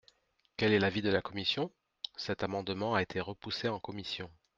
Quel est l’avis de la commission ? Cet amendement a été repoussé en commission.